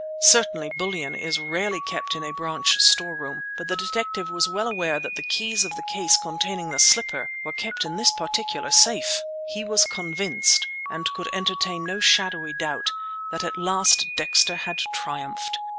Certainly, bullion is rarely kept in a branch storeroom, but the detective was well aware that the keys of the case containing the slipper were kept in this particular safe! He was convinced, and could entertain no shadowy doubt, that at last Dexter had triumphed.